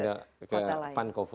pindah ke pankow